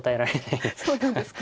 そうなんですか。